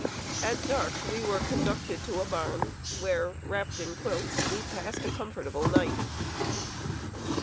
At dark, we were conducted to a barn, where, wrapped in quilts, we passed a comfortable night.